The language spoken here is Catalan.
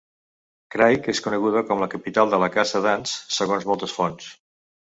Craig és coneguda com la capital de la caça d'ants segons moltes fonts.